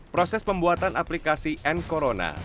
proses pembuatan aplikasi n corona